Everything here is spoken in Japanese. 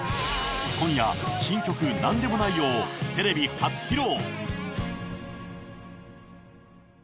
今夜新曲なんでもないよ、をテレビ初披露。